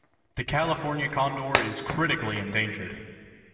The California condor is critically endangered.